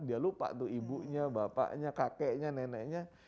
dia lupa tuh ibunya bapaknya kakeknya neneknya